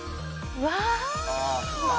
うわ。